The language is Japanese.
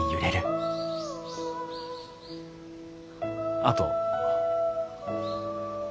あと。